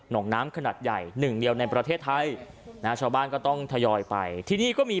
งน้ำขนาดใหญ่หนึ่งเดียวในประเทศไทยนะฮะชาวบ้านก็ต้องทยอยไปที่นี่ก็มี